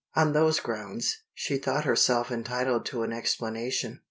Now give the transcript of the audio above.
On those grounds, she thought herself entitled to an explanation.